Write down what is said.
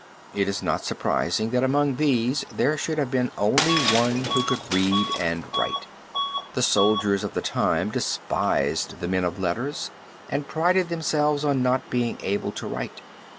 It is not surprising that among these there should have been only one who could read and write. The soldiers of the time despised the men of letters and prided themselves on not being able to write.